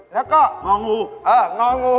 แล้วก็งองูงองู